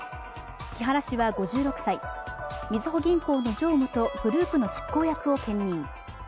木原氏は５６歳、みずほ銀行の常務とグループの執行役を兼任。